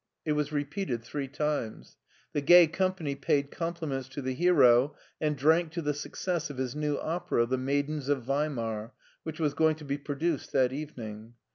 It was repeated three times. The gay company paid compliments to the hero and drank to the success of his new opera " The Maidens of Weimar," which was going to be produced that evening.